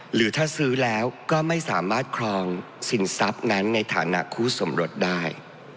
หรือถ้าซื้อแล้วก็ไม่สามารถครองสินทรัพย์นั้นในฐานะคู่สมรสได้